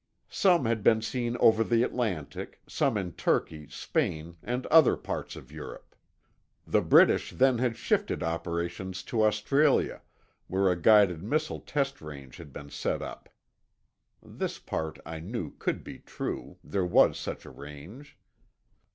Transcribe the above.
Some had been seen over the Atlantic, some in Turkey, Spain, and other parts of Europe. The British then had shifted operations to Australia, where a guided missile test range had been set up. (This part, I knew, could be true; there was such a range.)